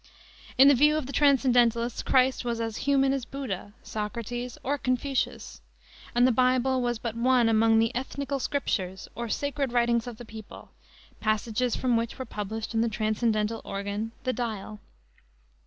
In the view of the transcendentalists Christ was as human as Buddha, Socrates or Confucius, and the Bible was but one among the "Ethnical Scriptures" or sacred writings of the peoples, passages from which were published in the transcendental organ, the Dial.